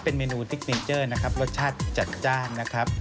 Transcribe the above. เป็นเมนูซิกเนเจอร์นะครับรสชาติจัดจ้านนะครับ